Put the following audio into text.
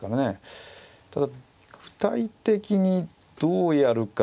ただ具体的にどうやるか。